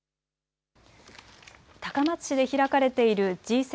高松市で開かれているＧ７